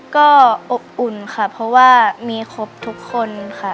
ก็อบอุ่นค่ะเพราะว่ามีครบทุกคนค่ะ